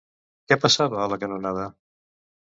Què passava a la canonada?